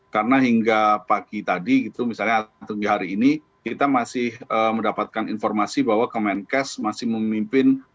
karena hingga pagi tadi gitu misalnya hari ini kita masih mendapatkan informasi bahwa kemenkes masih memimpin